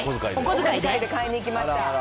お小遣いで買いに行きました。